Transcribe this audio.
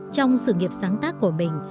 trong sự nghiệp sáng tác của mình